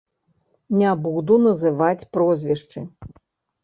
Не буду называць прозвішчы.